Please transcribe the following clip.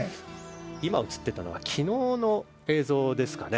今映っていたのは昨日の映像ですかね。